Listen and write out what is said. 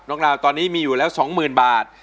น้องดาวตอนนี้มีอยู่แล้วสองหมื่นบาท